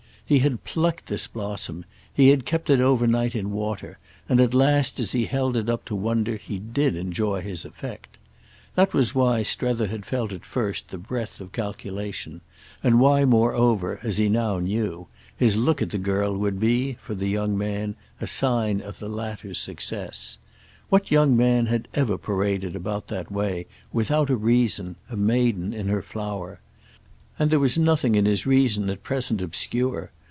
He had plucked this blossom; he had kept it over night in water; and at last as he held it up to wonder he did enjoy his effect. That was why Strether had felt at first the breath of calculation—and why moreover, as he now knew, his look at the girl would be, for the young man, a sign of the latter's success. What young man had ever paraded about that way, without a reason, a maiden in her flower? And there was nothing in his reason at present obscure.